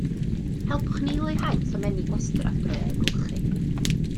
Helpwch ni i leihau tomenni gwastraff drwy ailgylchu